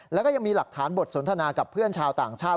แล้วก็ยังมีหลักฐานบทสนทนากับเพื่อนชาวต่างชาติ